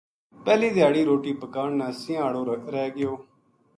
پہلے دھیاڑی روٹی پکان نا سَینہاں ہاڑو رہ گیو